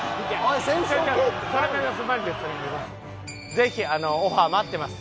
ぜひオファー待ってます。